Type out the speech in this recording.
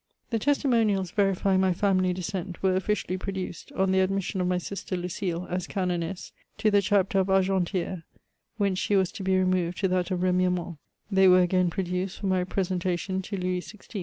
"* The testimonials yerifying my family descent, were officially produced, on the admission of my sister Lucile, as Canoness, to the Chapter of Argenti^re, whence she was to be removed to that of Remiremont ; they were again produced for my presentation to Louis XVI.